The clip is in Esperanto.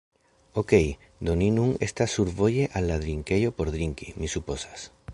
Okej, do ni nun estas survoje al la drinkejo por drinki, mi supozas.